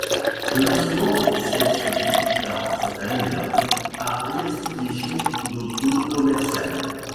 Le lancement officiel se fit plus tard cette année là à l'Exposition d’Auto Commerciale.